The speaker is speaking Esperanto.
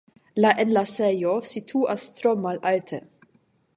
La enlasejo situas tro malalte.